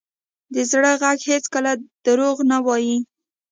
د زړه ږغ هېڅکله دروغ نه وایي.